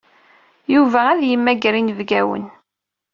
Yuba ad yemmager inebgawen.